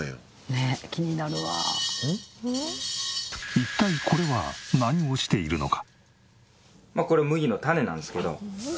一体これは何をしているのか？